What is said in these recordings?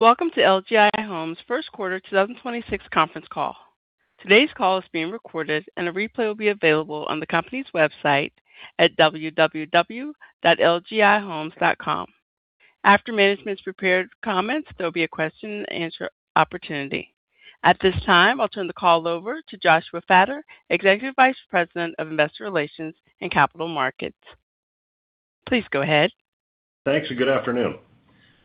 Welcome to LGI Homes' first quarter 2026 conference call. Today's call is being recorded, and a replay will be available on the company's website at www.lgihomes.com. After management's prepared comments, there will be a question-and-answer opportunity. At this time, I will turn the call over to Josh Fattor, Executive Vice President of Investor Relations and Capital Markets. Please go ahead. Thanks, and good afternoon.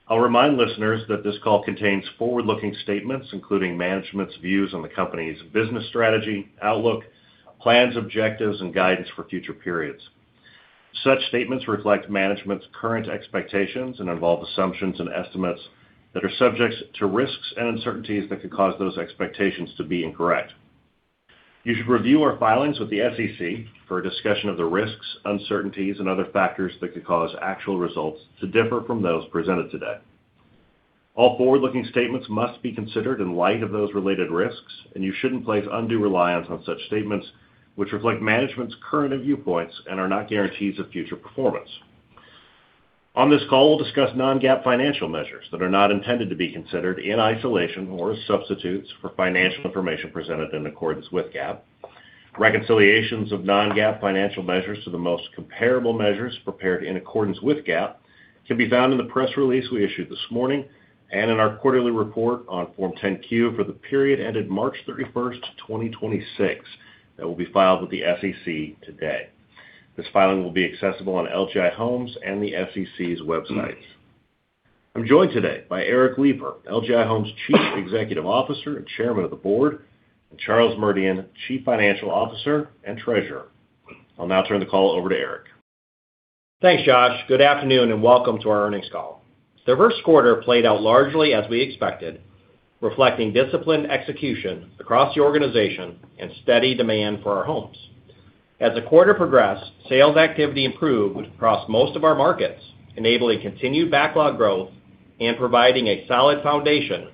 I'll remind listeners that this call contains forward-looking statements, including management's views on the company's business strategy, outlook, plans, objectives, and guidance for future periods. Such statements reflect management's current expectations and involve assumptions and estimates that are subject to risks and uncertainties that could cause those expectations to be incorrect. You should review our filings with the SEC for a discussion of the risks, uncertainties, and other factors that could cause actual results to differ from those presented today. All forward-looking statements must be considered in light of those related risks, and you shouldn't place undue reliance on such statements, which reflect management's current viewpoints and are not guarantees of future performance. On this call, we'll discuss non-GAAP financial measures that are not intended to be considered in isolation or as substitutes for financial information presented in accordance with GAAP. Reconciliations of non-GAAP financial measures to the most comparable measures prepared in accordance with GAAP can be found in the press release we issued this morning and in our quarterly report on Form 10-Q for the period ended March 31, 2026 that will be filed with the SEC today. This filing will be accessible on LGI Homes and the SEC's websites. I'm joined today by Eric Lipar, LGI Homes Chief Executive Officer and Chairman of the Board, and Charles Merdian, Chief Financial Officer and Treasurer. I'll now turn the call over to Eric. Thanks, Josh. Good afternoon, and welcome to our earnings call. The first quarter played out largely as we expected, reflecting disciplined execution across the organization and steady demand for our homes. As the quarter progressed, sales activity improved across most of our markets, enabling continued backlog growth and providing a solid foundation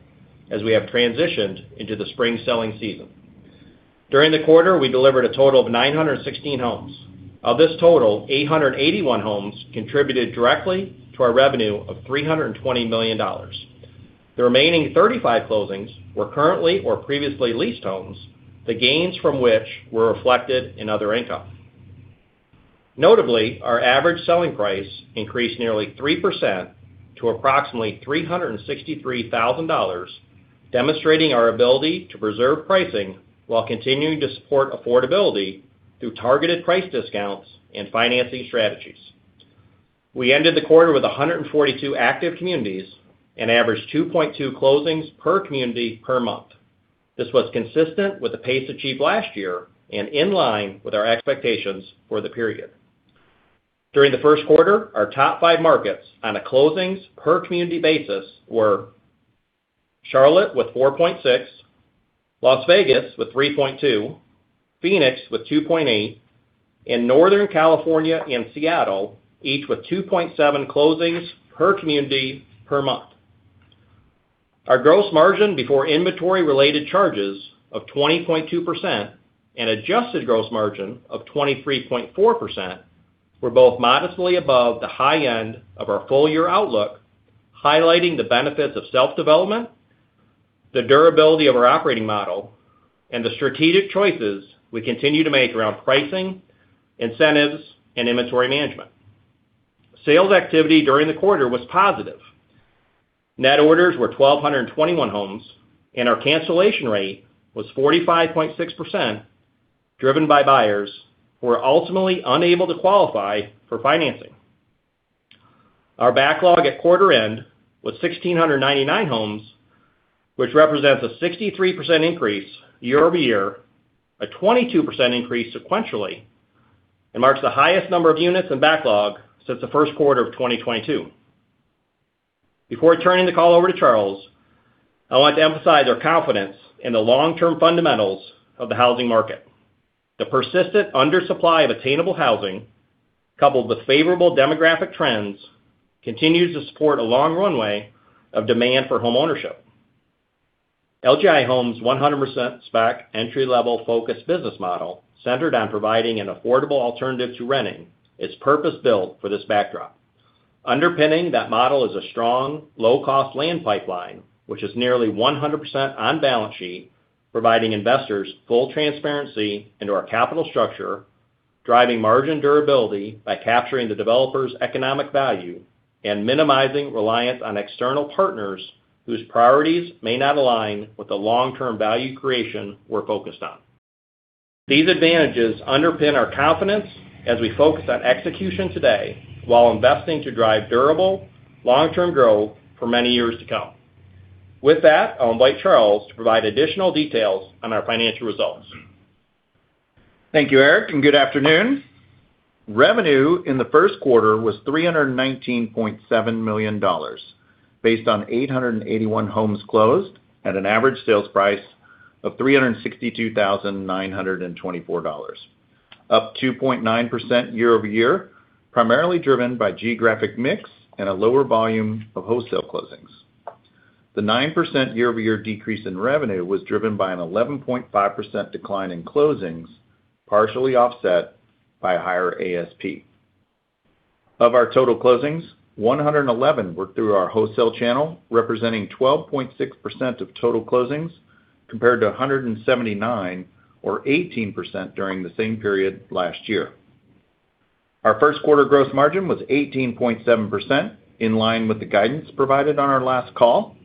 as we have transitioned into the spring selling season. During the quarter, we delivered a total of 916 homes. Of this total, 881 homes contributed directly to our revenue of $320 million. The remaining 35 closings were currently or previously leased homes, the gains from which were reflected in other income. Notably, our average selling price increased nearly 3% to approximately $363,000, demonstrating our ability to preserve pricing while continuing to support affordability through targeted price discounts and financing strategies. We ended the quarter with 142 active communities and averaged 2.2 closings per community per month. This was consistent with the pace achieved last year and in line with our expectations for the period. During the first quarter, our top five markets on a closings per community basis were Charlotte with 4.6, Las Vegas with 3.2, Phoenix with 2.8, and Northern California and Seattle, each with 2.7 closings per community per month. Our gross margin before inventory-related charges of 20.2% and Adjusted gross margin of 23.4% were both modestly above the high end of our full-year outlook, highlighting the benefits of self-development, the durability of our operating model, and the strategic choices we continue to make around pricing, incentives, and inventory management. Sales activity during the quarter was positive. Net orders were 1,221 homes, and our cancellation rate was 45.6%, driven by buyers who were ultimately unable to qualify for financing. Our backlog at quarter end was 1,699 homes, which represents a 63% increase year-over-year, a 22% increase sequentially. It marks the highest number of units in backlog since the first quarter of 2022. Before turning the call over to Charles, I want to emphasize our confidence in the long-term fundamentals of the housing market. The persistent undersupply of attainable housing, coupled with favorable demographic trends, continues to support a long runway of demand for homeownership. LGI Homes' 100% spec entry-level focused business model centered on providing an affordable alternative to renting is purpose-built for this backdrop. Underpinning that model is a strong low-cost land pipeline, which is nearly 100% on balance sheet, providing investors full transparency into our capital structure, driving margin durability by capturing the developer's economic value, and minimizing reliance on external partners whose priorities may not align with the long-term value creation we're focused on. These advantages underpin our confidence as we focus on execution today while investing to drive durable long-term growth for many years to come. With that, I'll invite Charles to provide additional details on our financial results. Thank you, Eric, and good afternoon. Revenue in the first quarter was $319.7 million, based on 881 homes closed at an average sales price of $362,924, up 2.9% year-over-year, primarily driven by geographic mix and a lower volume of wholesale closings. The 9% year-over-year decrease in revenue was driven by an 11.5% decline in closings, partially offset by higher ASP. Of our total closings, 111 were through our wholesale channel, representing 12.6% of total closings compared to 179 or 18% during the same period last year. Our first quarter gross margin was 18.7% in line with the guidance provided on our last call.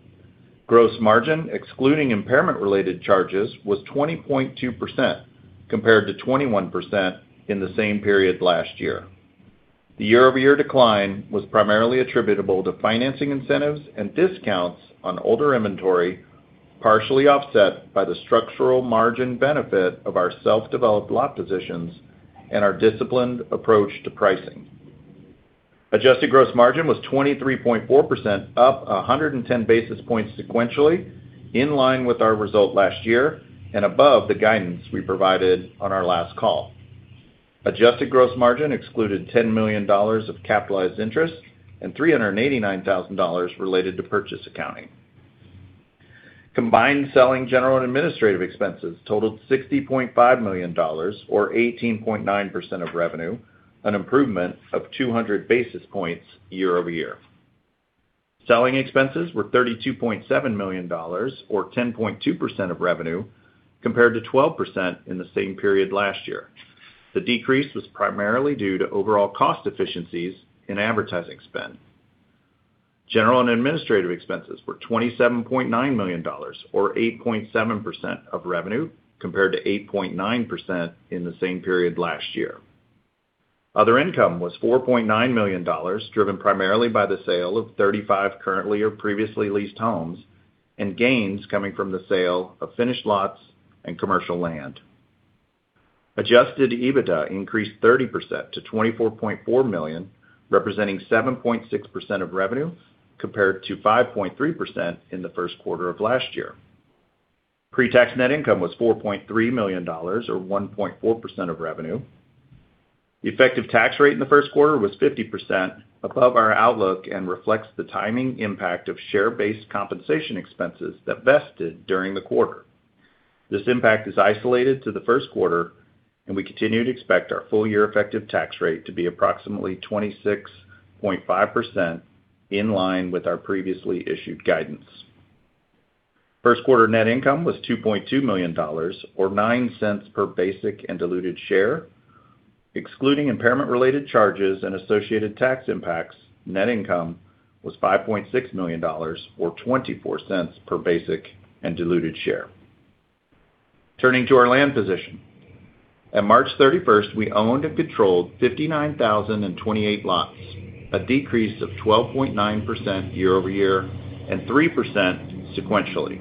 Gross margin, excluding impairment related charges, was 20.2% compared to 21% in the same period last year. The year-over-year decline was primarily attributable to financing incentives and discounts on older inventory, partially offset by the structural margin benefit of our self-developed lot positions and our disciplined approach to pricing. Adjusted gross margin was 23.4%, up 110 basis points sequentially in line with our result last year and above the guidance we provided on our last call. Adjusted gross margin excluded $10 million of capitalized interest and $389,000 related to purchase accounting. Combined selling general and administrative expenses totaled $60.5 million or 18.9% of revenue, an improvement of 200 basis points year-over-year. Selling expenses were $32.7 million or 10.2% of revenue compared to 12% in the same period last year. The decrease was primarily due to overall cost efficiencies in advertising spend. General and administrative expenses were $27.9 million or 8.7% of revenue compared to 8.9% in the same period last year. Other income was $4.9 million, driven primarily by the sale of 35 currently or previously leased homes and gains coming from the sale of finished lots and commercial land. Adjusted EBITDA increased 30% to $24.4 million, representing 7.6% of revenue compared to 5.3% in the first quarter of last year. Pre-tax net income was $4.3 million or 1.4% of revenue. The effective tax rate in the first quarter was 50% above our outlook and reflects the timing impact of share-based compensation expenses that vested during the quarter. This impact is isolated to the first quarter, and we continue to expect our full year effective tax rate to be approximately 26.5% in line with our previously issued guidance. First quarter net income was $2.2 million or $0.09 per basic and diluted share. Excluding impairment related charges and associated tax impacts, net income was $5.6 million or $0.24 per basic and diluted share. Turning to our land position. At March 31st, we owned and controlled 59,028 lots, a decrease of 12.9% year-over-year and 3% sequentially.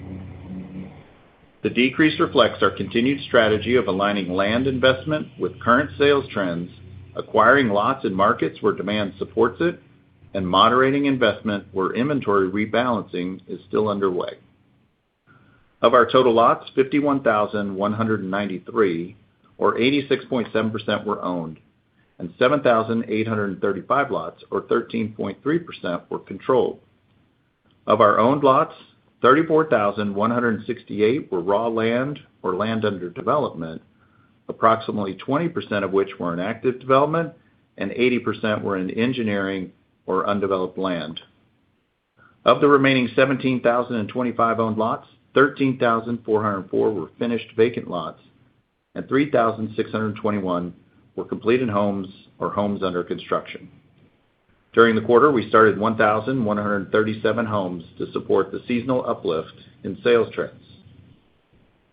The decrease reflects our continued strategy of aligning land investment with current sales trends, acquiring lots in markets where demand supports it, and moderating investment where inventory rebalancing is still underway. Of our total lots, 51,193 or 86.7% were owned and 7,835 lots or 13.3% were controlled. Of our owned lots, 34,168 were raw land or land under development, approximately 20% of which were in active development and 80% were in engineering or undeveloped land. Of the remaining 17,025 owned lots, 13,404 were finished vacant lots, and 3,621 were completed homes or homes under construction. During the quarter, we started 1,137 homes to support the seasonal uplift in sales trends.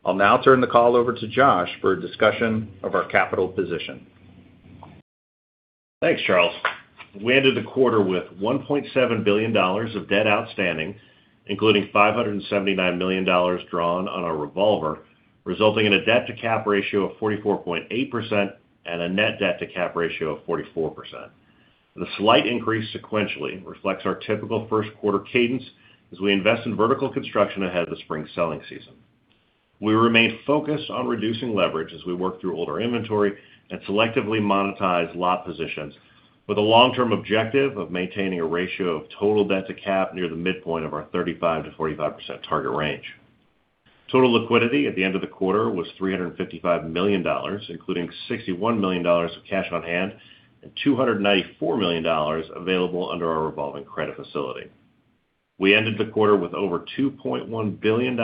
I'll now turn the call over to Josh for a discussion of our capital position. Thanks, Charles. We ended the quarter with $1.7 billion of debt outstanding, including $579 million drawn on our revolver, resulting in a debt-to-cap ratio of 44.8% and a net debt-to-cap ratio of 44%. The slight increase sequentially reflects our typical first quarter cadence as we invest in vertical construction ahead of the spring selling season. We remain focused on reducing leverage as we work through older inventory and selectively monetize lot positions with a long-term objective of maintaining a ratio of total debt-to-cap near the midpoint of our 35%-45% target range. Total liquidity at the end of the quarter was $355 million, including $61 million of cash on hand and $294 million available under our revolving credit facility. We ended the quarter with over $2.1 billion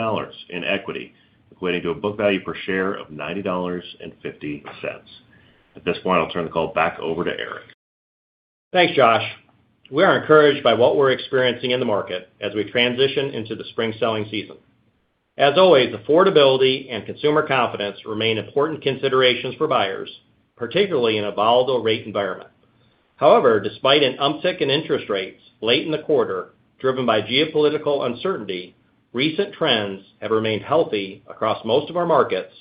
in equity, equating to a book value per share of $90.50. At this point, I'll turn the call back over to Eric. Thanks, Josh. We are encouraged by what we're experiencing in the market as we transition into the spring selling season. As always, affordability and consumer confidence remain important considerations for buyers, particularly in a volatile rate environment. However, despite an uptick in interest rates late in the quarter driven by geopolitical uncertainty, recent trends have remained healthy across most of our markets,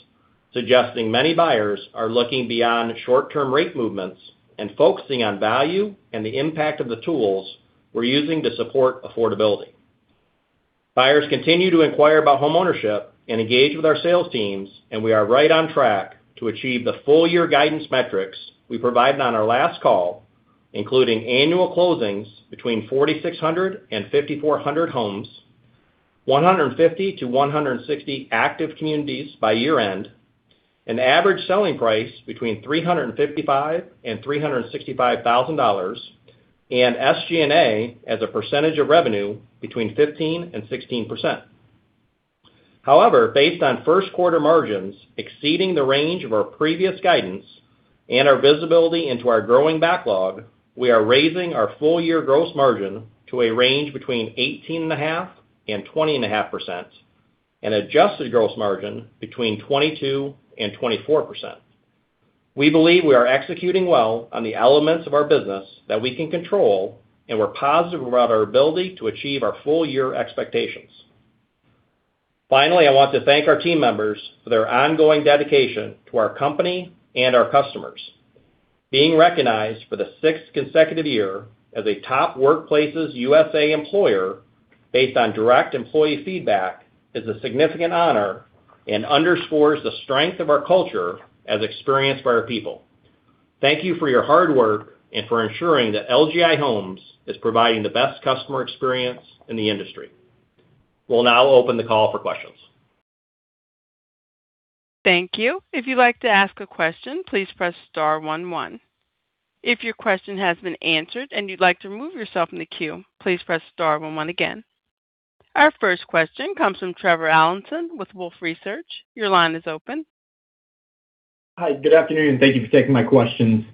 suggesting many buyers are looking beyond short-term rate movements and focusing on value and the impact of the tools we're using to support affordability. Buyers continue to inquire about homeownership and engage with our sales teams, and we are right on track to achieve the full-year guidance metrics we provided on our last call, including annual closings between 4,600 and 5,400 homes. 150 to 160 active communities by year-end, an average selling price between $355,000 and $365,000, and SG&A as a percentage of revenue between 15% and 16%. Based on first quarter margins exceeding the range of our previous guidance and our visibility into our growing backlog, we are raising our full year gross margin to a range between 18.5% and 20.5%, and Adjusted Gross Margin between 22% and 24%. We believe we are executing well on the elements of our business that we can control, and we're positive about our ability to achieve our full year expectations. Finally, I want to thank our team members for their ongoing dedication to our company and our customers. Being recognized for the 6th consecutive year as a Top Workplaces USA employer based on direct employee feedback is a significant honor and underscores the strength of our culture as experienced by our people. Thank you for your hard work and for ensuring that LGI Homes is providing the best customer experience in the industry. We'll now open the call for questions. Thank you. If you'd like to ask a question, please press star one one. If your question has been answered and you'd like to remove yourself from the queue, please press star one one again. Our first question comes from Trevor Allinson with Wolfe Research. Your line is open. Hi, good afternoon. Thank you for taking my questions.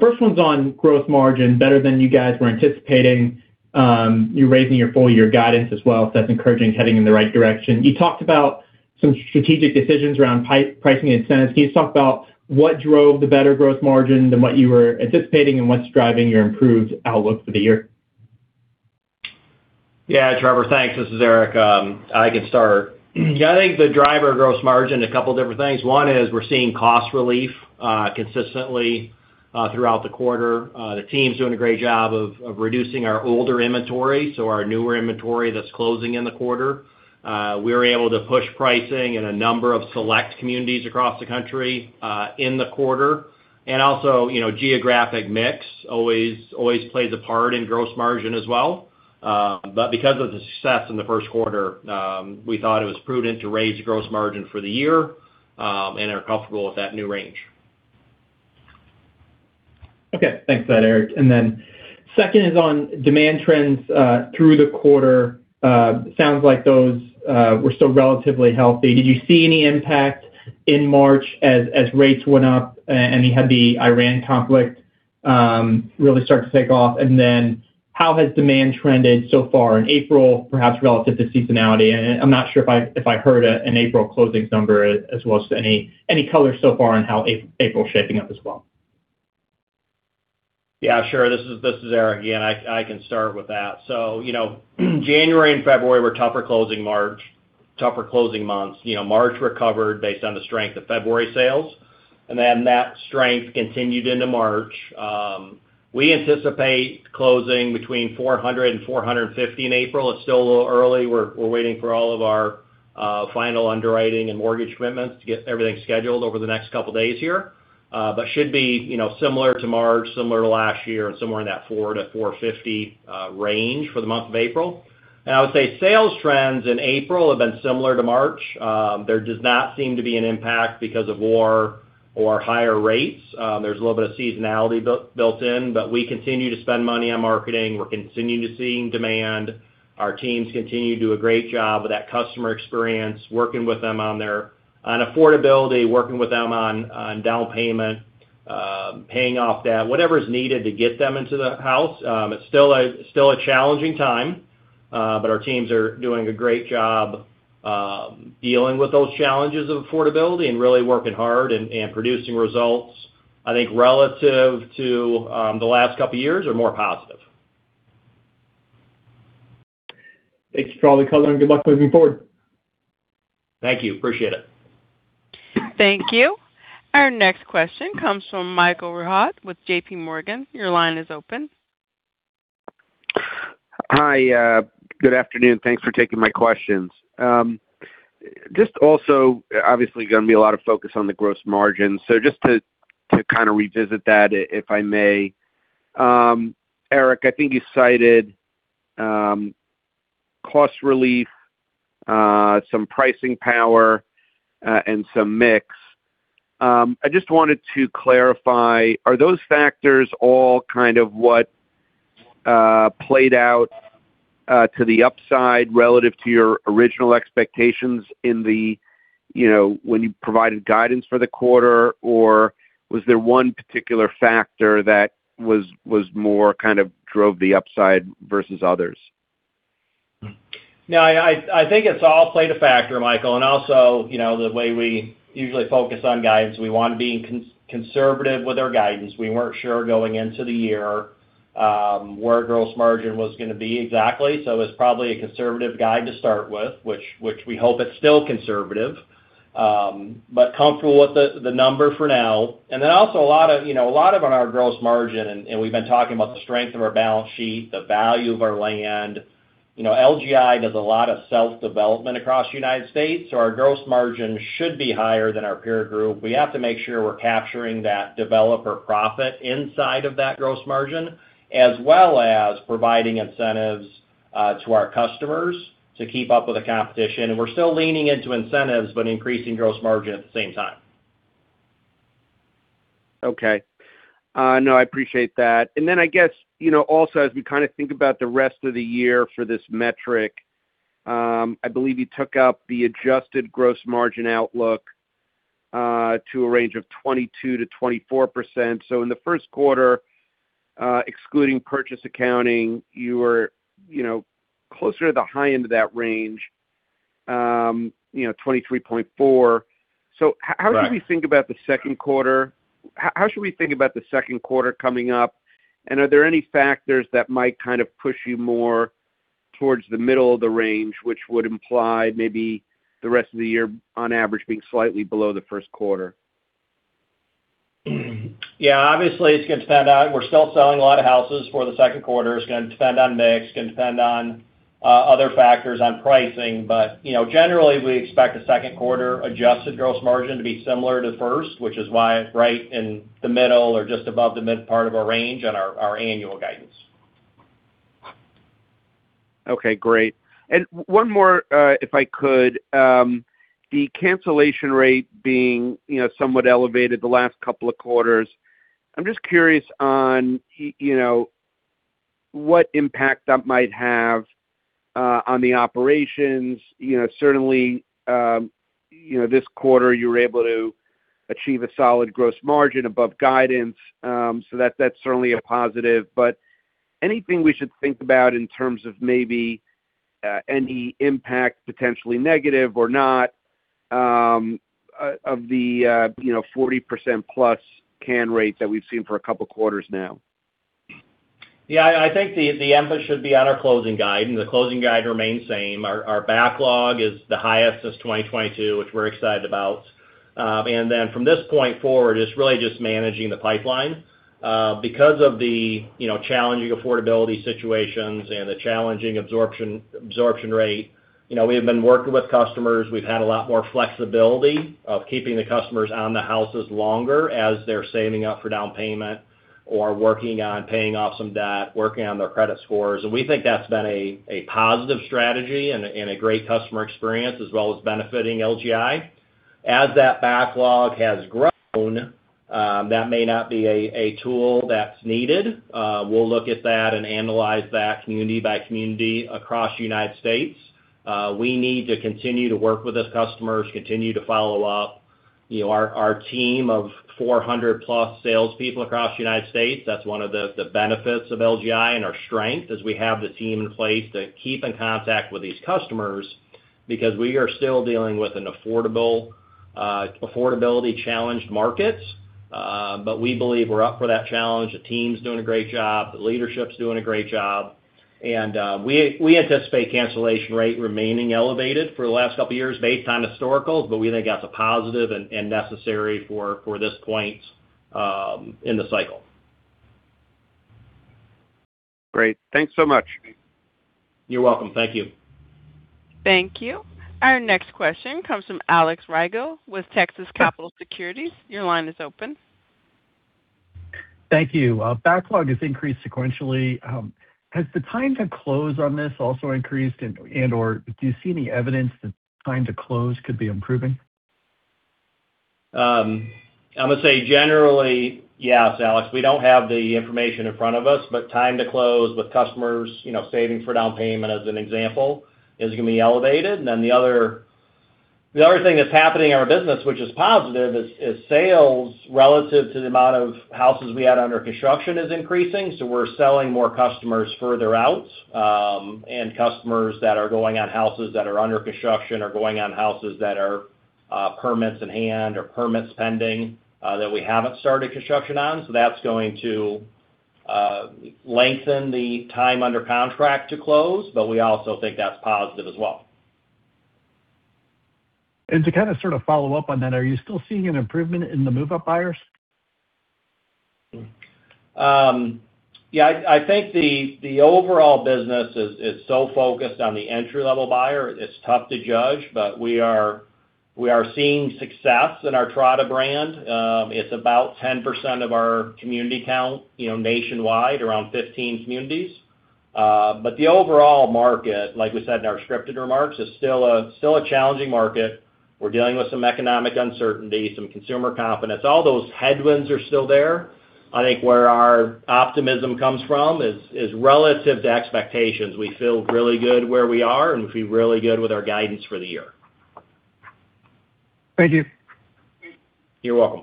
First one's on gross margin, better than you guys were anticipating. You're raising your full year guidance as well, so that's encouraging, heading in the right direction. You talked about some strategic decisions around pricing incentives. Can you just talk about what drove the better gross margin than what you were anticipating and what's driving your improved outlook for the year? Trevor, thanks. This is Eric. I can start. I think the driver gross margin, a couple different things. One is we're seeing cost relief consistently throughout the quarter. The team's doing a great job of reducing our older inventory, so our newer inventory that's closing in the quarter. We were able to push pricing in a number of select communities across the country in the quarter. Also, you know, geographic mix always plays a part in gross margin as well. Because of the success in the first quarter, we thought it was prudent to raise gross margin for the year and are comfortable with that new range. Okay. Thanks for that, Eric. Second is on demand trends through the quarter. Sounds like those were still relatively healthy. Did you see any impact in March as rates went up and you had the Iran conflict really start to take off? How has demand trended so far in April, perhaps relative to seasonality? I'm not sure if I heard an April closings number, as well as any color so far on how April is shaping up as well. Yeah, sure. This is Eric again. I can start with that. You know, January and February were tougher closing months. You know, March recovered based on the strength of February sales, and then that strength continued into March. We anticipate closing between 400 and 450 in April. It's still a little early. We're waiting for all of our final underwriting and mortgage commitments to get everything scheduled over the next couple days here. Should be, you know, similar to March, similar to last year, and somewhere in that 400-450 range for the month of April. I would say sales trends in April have been similar to March. There does not seem to be an impact because of war or higher rates. There's a little bit of seasonality built in, but we continue to spend money on marketing. We're continuing to seeing demand. Our teams continue to do a great job with that customer experience, working with them on their affordability, working with them on down payment, paying off debt, whatever is needed to get them into the house. It's still a challenging time, but our teams are doing a great job, dealing with those challenges of affordability and really working hard and producing results, I think relative to, the last couple of years are more positive. Thanks for all the color, and good luck moving forward. Thank you. Appreciate it. Thank you. Our next question comes from Michael Rehaut with JPMorgan. Your line is open. Hi, good afternoon. Thanks for taking my questions. Just also obviously gonna be a lot of focus on the gross margin. Just to kind of revisit that, if I may, Eric, I think you cited cost relief, some pricing power, and some mix. I just wanted to clarify, are those factors all kind of what played out to the upside relative to your original expectations in the when you provided guidance for the quarter? Or was there one particular factor that was more kind of drove the upside versus others? No, I think it's all played a factor, Michael. Also, you know, the way we usually focus on guidance, we want to be conservative with our guidance. We weren't sure going into the year, where gross margin was gonna be exactly. It was probably a conservative guide to start with, we hope it's still conservative, but comfortable with the number for now. Also a lot of, you know, a lot of on our gross margin, and, we've been talking about the strength of our balance sheet, the value of our land. You know, LGI does a lot of self-development across the U.S., so our gross margin should be higher than our peer group. We have to make sure we're capturing that developer profit inside of that gross margin, as well as providing incentives to our customers to keep up with the competition. We're still leaning into incentives, but increasing gross margin at the same time. No, I appreciate that. I guess, you know, also as we kind of think about the rest of the year for this metric, I believe you took up the adjusted gross margin outlook to a range of 22%-24%. In the 1st quarter, excluding purchase accounting, you were, you know, closer to the high end of that range, you know, 23.4%. Right. How should we think about the second quarter? How should we think about the second quarter coming up? Are there any factors that might kind of push you more towards the middle of the range, which would imply maybe the rest of the year on average being slightly below the first quarter? Yeah, obviously, it's going to depend on. We're still selling a lot of houses for the second quarter. It's going to depend on mix, going to depend on other factors on pricing. You know, generally, we expect the second quarter Adjusted Gross Margin to be similar to first, which is why it's right in the middle or just above the mid part of our range on our annual guidance. Okay, great. One more, if I could. The cancellation rate being, you know, somewhat elevated the last couple of quarters, I'm just curious on you know, what impact that might have on the operations. You know, certainly, you know, this quarter, you were able to achieve a solid gross margin above guidance. So that's certainly a positive. Anything we should think about in terms of maybe, any impact, potentially negative or not, of the, you know, 40% plus can rates that we've seen for a couple quarters now? Yeah, I think the emphasis should be on our closing guide. The closing guide remains same. Our backlog is the highest since 2022, which we're excited about. From this point forward, it's really just managing the pipeline. Because of the, you know, challenging affordability situations and the challenging absorption rate, you know, we have been working with customers. We've had a lot more flexibility of keeping the customers on the houses longer as they're saving up for down payment or working on paying off some debt, working on their credit scores. We think that's been a positive strategy and a great customer experience, as well as benefiting LGI Homes. As that backlog has grown, that may not be a tool that's needed. We'll look at that and analyze that community by community across the U.S. We need to continue to work with those customers, continue to follow up. You know, our team of 400+ salespeople across the U.S., that's one of the benefits of LGI and our strength is we have the team in place to keep in contact with these customers because we are still dealing with an affordable, affordability-challenged markets. We believe we're up for that challenge. The team's doing a great job. The leadership's doing a great job. We anticipate cancellation rate remaining elevated for the last couple years based on historicals, but we think that's a positive and necessary for this point in the cycle. Great. Thanks so much. You're welcome. Thank you. Thank you. Our next question comes from Alex Rygiel from Texas Capital Securities. Your line is open. Thank you. Backlog has increased sequentially. Has the time to close on this also increased and/or do you see any evidence that time to close could be improving? I am going to say generally, yes, Alex. We do not have the information in front of us, but time to close with customers, you know, saving for down payment as an example, is going to be elevated. The other thing that is happening in our business, which is positive, is sales relative to the amount of houses we had under construction is increasing. We are selling more customers further out, and customers that are going on houses that are under construction or going on houses that are permits in hand or permits pending that we have not started construction on. That is going to lengthen the time under contract to close, but we also think that is positive as well. To kind of sort of follow up on that, are you still seeing an improvement in the move-up buyers? Yeah, I think the overall business is so focused on the entry-level buyer, it's tough to judge. We are, we are seeing success in our Terrata brand. It's about 10% of our community count, you know, nationwide, around 15 communities. The overall market, like we said in our scripted remarks, is still a, still a challenging market. We're dealing with some economic uncertainty, some consumer confidence. All those headwinds are still there. I think where our optimism comes from is relative to expectations. We feel really good where we are, and we feel really good with our guidance for the year. Thank you. You're welcome.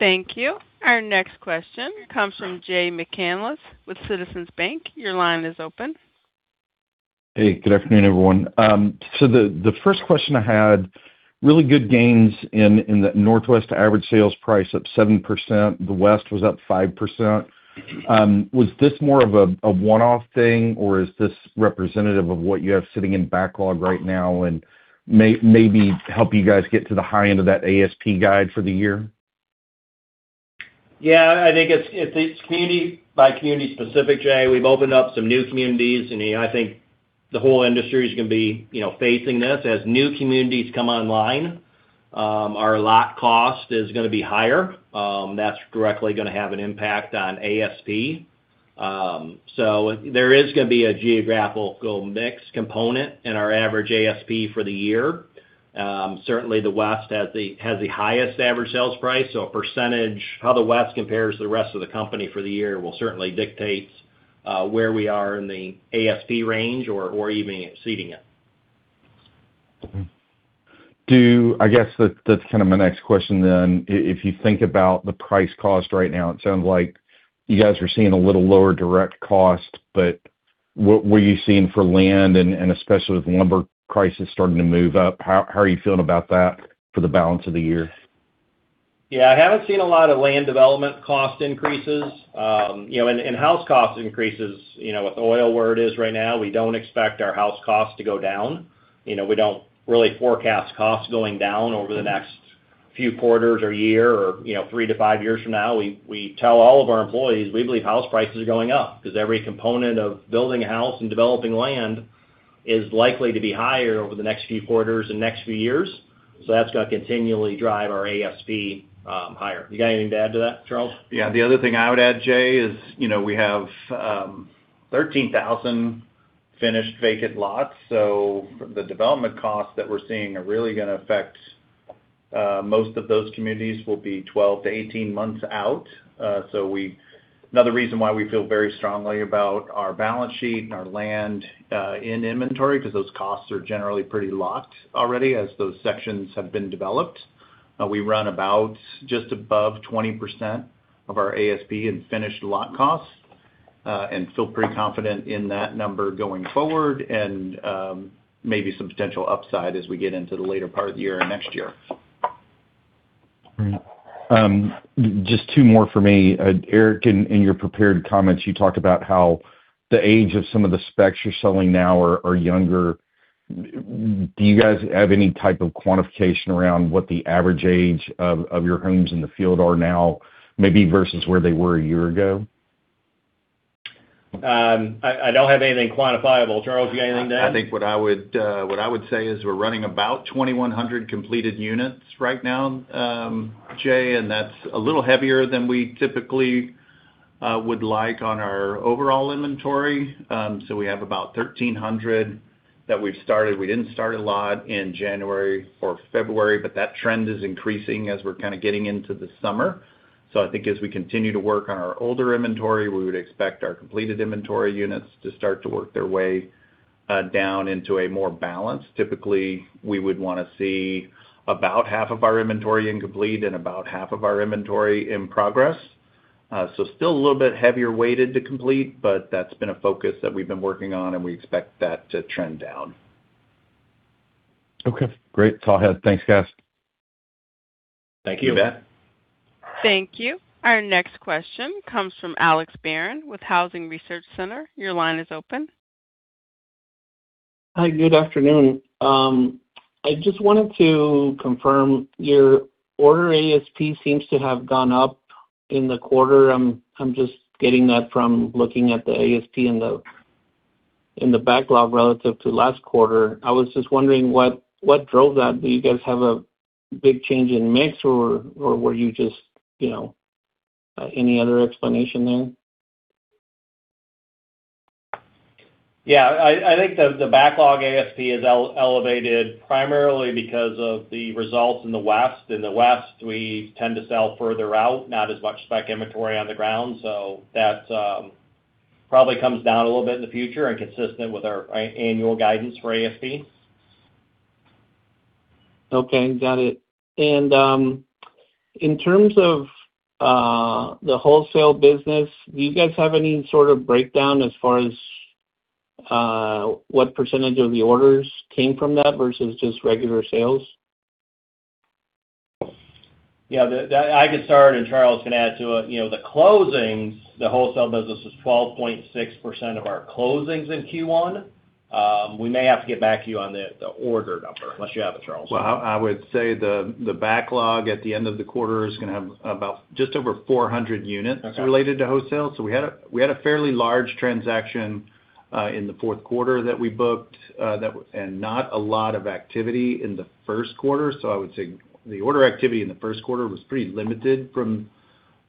Thank you. Our next question comes from Jay McCanless with Citizens Bank. Your line is open. Hey, good afternoon, everyone. The first question I had, really good gains in the Northwest average sales price, up 7%, the West was up 5%. Was this more of a one-off thing, or is this representative of what you have sitting in backlog right now and maybe help you guys get to the high end of that ASP guide for the year? I think it's community by community specific, Jay. We've opened up some new communities, I think the whole industry is gonna be, you know, facing this. As new communities come online, our lot cost is gonna be higher. That's directly gonna have an impact on ASP. There is gonna be a geographical mix component in our average ASP for the year. Certainly the West has the highest average sales price, a percentage how the West compares to the rest of the company for the year will certainly dictate where we are in the ASP range or even exceeding it. I guess that's kind of my next question then. If you think about the price cost right now, it sounds like you guys are seeing a little lower direct cost, but what were you seeing for land and especially with the lumber prices starting to move up, how are you feeling about that for the balance of the year? I haven't seen a lot of land development cost increases. You know, and house cost increases, you know, with oil where it is right now, we don't expect our house costs to go down. You know, we don't really forecast costs going down over the next few quarters or year or, you know, 3-5 years from now. We tell all of our employees we believe house prices are going up, 'cause every component of building a house and developing land is likely to be higher over the next few quarters and next few years. That's gotta continually drive our ASP higher. You got anything to add to that, Charles? Yeah. The other thing I would add, Jay, is, you know, we have 13,000 finished vacant lots, so the development costs that we're seeing are really gonna affect, most of those communities will be 12-18 months out. Another reason why we feel very strongly about our balance sheet and our land in inventory, 'cause those costs are generally pretty locked already as those sections have been developed. We run about just above 20% of our ASP in finished lot costs, and feel pretty confident in that number going forward and, maybe some potential upside as we get into the later part of the year and next year. All right. Just two more for me. Eric, in your prepared comments, you talked about how the age of some of the specs you're selling now are younger. Do you guys have any type of quantification around what the average age of your homes in the field are now maybe versus where they were a year ago? I don't have anything quantifiable. Charles, you got anything to add? I think what I would, what I would say is we're running about 2,100 completed units right now, Jay. That's a little heavier than we typically would like on our overall inventory. We have about 1,300 that we've started. We didn't start a lot in January or February, but that trend is increasing as we're kind of getting into the summer. I think as we continue to work on our older inventory, we would expect our completed inventory units to start to work their way down into a more balanced. Typically, we would wanna see about half of our inventory in complete and about half of our inventory in progress. Still a little bit heavier weighted to complete, but that's been a focus that we've been working on, and we expect that to trend down. Okay. Great. Talk ahead. Thanks, guys. Thank you. You bet. Thank you. Our next question comes from Alex Barron with Housing Research Center. Your line is open. Hi, good afternoon. I just wanted to confirm, your order ASP seems to have gone up in the quarter. I'm just getting that from looking at the ASP in the, in the backlog relative to last quarter. I was just wondering what drove that. Do you guys have a big change in mix or were you just, you know, any other explanation there? Yeah. I think the backlog ASP is elevated primarily because of the results in the West. In the West, we tend to sell further out, not as much spec inventory on the ground. That probably comes down a little bit in the future and consistent with our annual guidance for ASP. Okay. Got it. In terms of the wholesale business, do you guys have any sort of breakdown as far as what % of the orders came from that versus just regular sales? Yeah. I can start, and Charles can add to it. You know, the closings, the wholesale business is 12.6% of our closings in Q1. We may have to get back to you on the order number, unless you have it, Charles. I would say the backlog at the end of the quarter is gonna have about just over 400 units. Okay related to wholesale. We had a fairly large transaction in the fourth quarter that we booked, and not a lot of activity in the first quarter. I would say the order activity in the first quarter was pretty limited from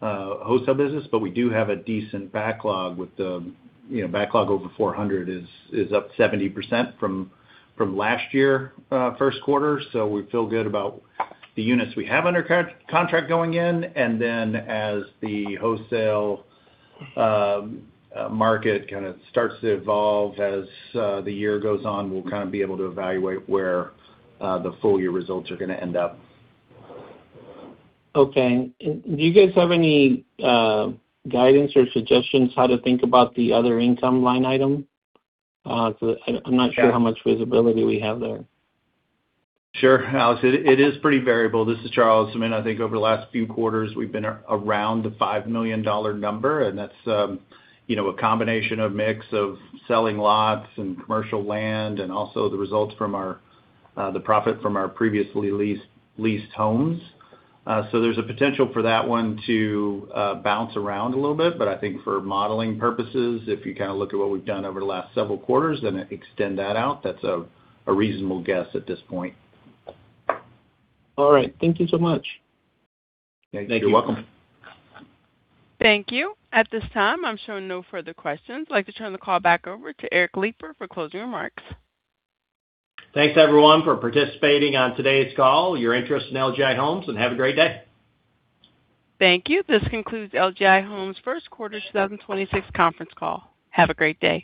wholesale business, but we do have a decent backlog with the, you know, backlog over 400 is up 70% from last year, first quarter. We feel good about the units we have under contract going in. As the wholesale market kind of starts to evolve as the year goes on, we'll kind of be able to evaluate where the full year results are gonna end up. Okay. Do you guys have any guidance or suggestions how to think about the other income line item? Sure How much visibility we have there. Sure, Alex. It is pretty variable. This is Charles. I mean, I think over the last few quarters, we've been around the $5 million number, and that's, you know, a combination of mix of selling lots and commercial land and also the results from our, the profit from our previously leased homes. There's a potential for that one to bounce around a little bit. I think for modeling purposes, if you kind of look at what we've done over the last several quarters, then extend that out, that's a reasonable guess at this point. All right. Thank you so much. Thank you. You're welcome. Thank you. At this time, I'm showing no further questions. I'd like to turn the call back over to Eric Lipar for closing remarks. Thanks everyone for participating on today's call, your interest in LGI Homes, and have a great day. Thank you. This concludes LGI Homes' first quarter 2026 conference call. Have a great day.